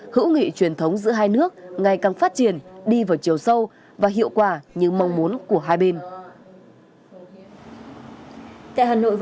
hữu nghị truyền thống giữa hai nước ngày càng phát triển đi vào chiều sâu và hiệu quả như mong muốn của hai bên